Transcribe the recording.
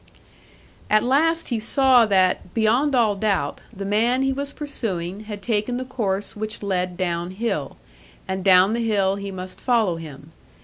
At last he saw that, beyond all doubt, the man he was pursuing had taken the course which led down hill; and down the hill he must follow him.